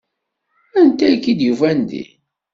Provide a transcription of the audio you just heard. Anta i k-id-yufan din?